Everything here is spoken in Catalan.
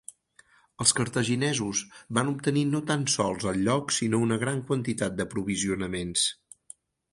Els cartaginesos van obtenir no tan sols el lloc sinó una gran quantitat d'aprovisionaments.